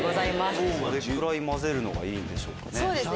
どれくらい混ぜるのがいいんでしょうかね？